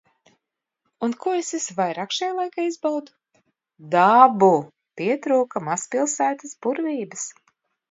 Un ko es visvairāk šajā laikā izbaudu? Dabu. Pietrūka mazpilsētas burvības.